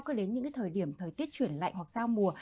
có đến những cái thời điểm thời tiết chuyển lạnh hoặc giao mùa